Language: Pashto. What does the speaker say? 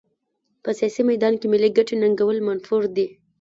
په سیاسي میدان کې ملي ګټې ننګول منفور دي.